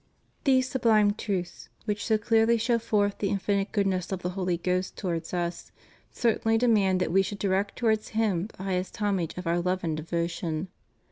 These sublime truths, which so clearly show forth the infinite goodness of the Holy Ghost towards us, cer tainly demand that we should direct towards Him the highest homage of our love and devotion.